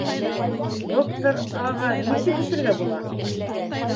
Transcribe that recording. Доктор А.-ға нисек үтергә була?